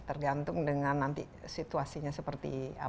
tergantung dengan nanti situasinya seperti apa